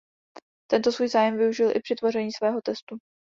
Tento svůj zájem využil i při tvoření svého testu.